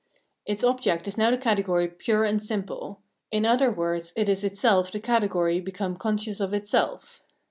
Its object is now the category pure and simple ; in other words, it is itself the category become conscious of itself.